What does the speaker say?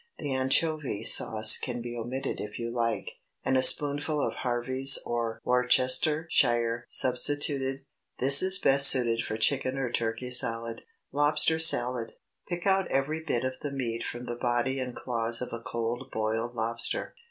The anchovy sauce can be omitted if you like, and a spoonful of Harvey's or Worcestershire substituted. This is best suited for chicken or turkey salad. LOBSTER SALAD. ✠ Pick out every bit of the meat from the body and claws of a cold boiled lobster.